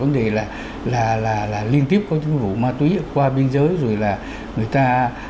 vấn đề là liên tiếp có những vụ ma túy qua biên giới rồi là người ta